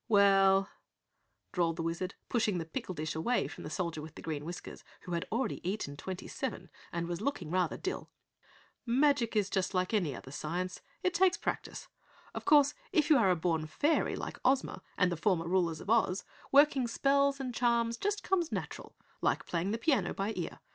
"Well " drawled the Wizard, pushing the pickle dish away from the Soldier with Green Whiskers who already had eaten twenty seven and was looking rather dill. "Magic is like any other science it takes practice. Of course, if you are a born fairy like Ozma and the former rulers of Oz, working spells and charms just comes natural like playing the piano by ear.